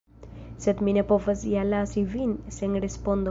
Sed mi ne povas ja lasi vin sen respondo.